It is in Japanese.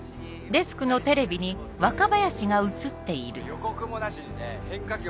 予告もなしにね変化球を投げて。